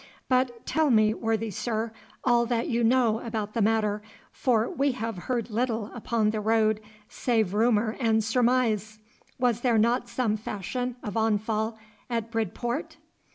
But tell me, worthy sir, all that you know about the matter, for we have heard little upon the road save rumour and surmise. Was there not some fashion of onfall at Bridport?